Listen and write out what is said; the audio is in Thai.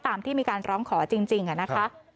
ที่มีการร้องขอจริงนะคะ